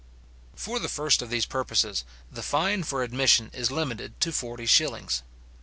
For the first of these purposes, the fine for admission is limited to forty shillings.